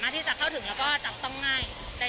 ได้ด้วย